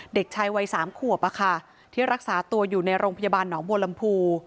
เด็กชายวัย๓ขวบที่รักษาตัวอยู่ในโรงพยาบาลหนองบัวลำพู